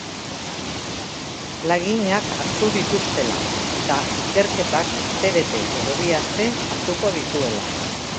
Laginak hartu dituztela eta ikerketak astebete edo bi aste hartuko dituela.